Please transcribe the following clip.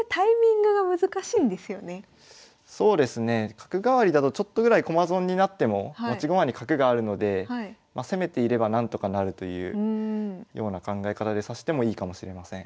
角換わりだとちょっとぐらい駒損になっても持ち駒に角があるので攻めていれば何とかなるというような考え方で指してもいいかもしれません。